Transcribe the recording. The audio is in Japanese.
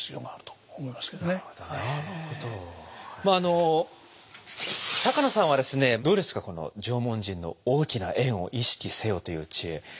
まああの坂野さんはですねどうですかこの縄文人の「大きな『円』を意識せよ！」という知恵。